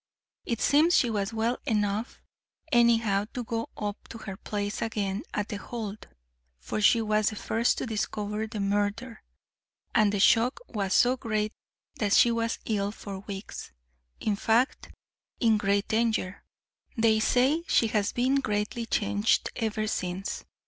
It seems she was well enough anyhow to go up to her place again at The Hold, for she was the first to discover the murder, and the shock was so great that she was ill for weeks, in fact in great danger; they say she has been greatly changed ever since.